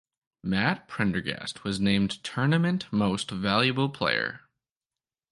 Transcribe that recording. Matt Prendergast was named Tournament Most Valuable Player.